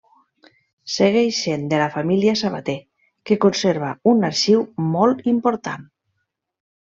Segueix sent de la família Sabater, que conserva un arxiu molt important.